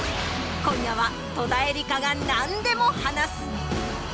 今夜は戸田恵梨香が何でも話す。